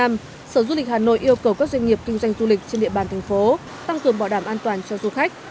yêu cầu các doanh nghiệp kinh doanh du lịch trên địa bàn thành phố tăng cường bảo đảm an toàn cho du khách